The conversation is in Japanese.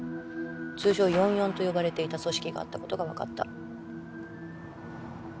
通称「四四」と呼ばれていた組織があった事がわかった。